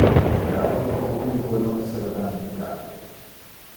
Le auto comocunque non esseva damnificate.